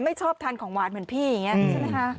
ไม่ชอบทานของหวานเหมือนพี่ใช่ไหมค่ะ